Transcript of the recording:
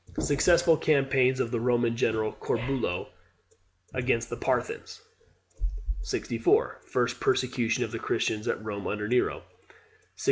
Successful campaigns of the Roman general Corbulo against the Parthians. 64. First persecution of the Christians at Rome under Nero. 68 70.